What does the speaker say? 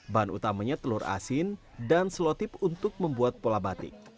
bahan utamanya telur asin dan selotip untuk membuat pola batik